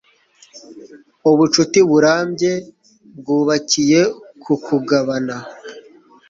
ubucuti burambye bwubakiye ku kugabana